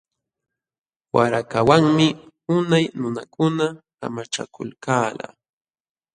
Warakawanmi unay nunakuna amachakulkalqa.